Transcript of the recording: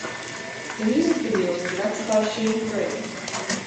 The music video was directed by Shane Drake.